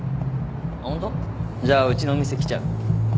ホント？じゃあうちの店来ちゃう？